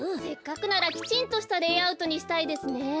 せっかくならきちんとしたレイアウトにしたいですね。